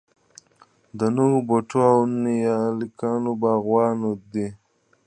د نوو بوټو او نیالګیو باغوانان دي.